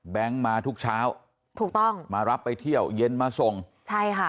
มาทุกเช้าถูกต้องมารับไปเที่ยวเย็นมาส่งใช่ค่ะ